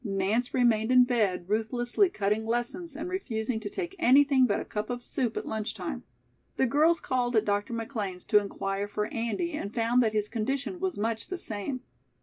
Nance remained in bed, ruthlessly cutting lessons and refusing to take anything but a cup of soup at lunch time. The girls called at Dr. McLean's to inquire for Andy and found that his condition was much the same.